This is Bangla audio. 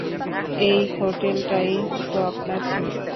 এই হোটেলটাই তো আপনার ছিল।